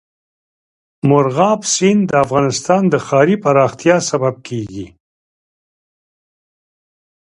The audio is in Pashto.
مورغاب سیند د افغانستان د ښاري پراختیا سبب کېږي.